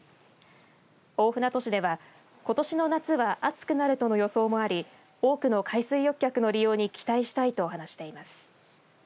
大船渡市では、ことしの夏は暑くなると予想もあり多くの海水浴客の利用に期待したいと話しています。